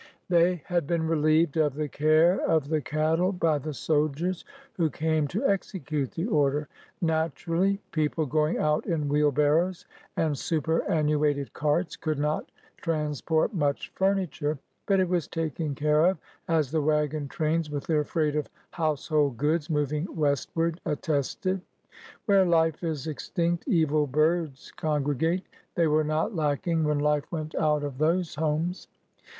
They had been relieved of the care of the cattle by the soldiers who came to execute the order. Naturally, peo ple going out in wheelbarrows and superannuated carts could not transport much furniture. But it was taken care of, as the wagon trains with their freight of house hold goods, moving westward, attested. Where life is ex tinct evil birds congregate. They were not lacking when life went out of those homes.